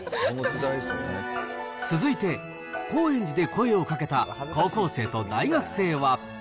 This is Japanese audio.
続いて、高円寺で声をかけた高校生と大学生は。